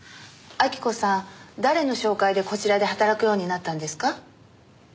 晃子さん誰の紹介でこちらで働くようになったんですか？